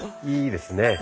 いいですね。